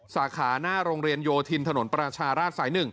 สาขาหน้าโรงเรียนโยธินถนนประชาราชสาย๑